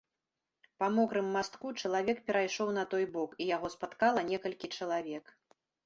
Па мокрым мастку чалавек перайшоў на той бок, і яго спаткала некалькі чалавек.